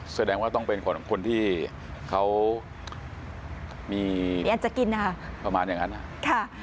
แสดงว่าต้องเป็นคนที่เขามีอันจะกินนะคะประมาณอย่างนั้น